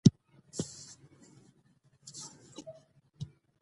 په افغانستان کې د کلتور لپاره طبیعي شرایط پوره مناسب او برابر دي.